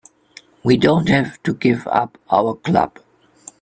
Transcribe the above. We don't have to give up our club.